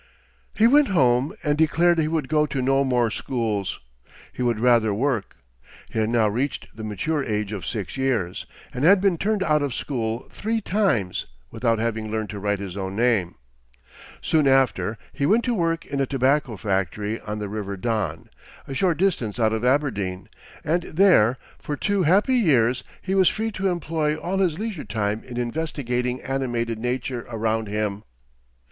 He went home and declared he would go to no more schools, but would rather work. He had now reached the mature age of six years, and had been turned out of school three times, without having learned to write his own name. Soon after, he went to work in a tobacco factory on the river Don, a short distance out of Aberdeen, and there for two happy years he was free to employ all his leisure time in investigating animated nature around him.